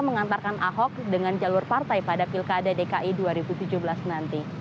mengantarkan ahok dengan jalur partai pada pilkada dki dua ribu tujuh belas nanti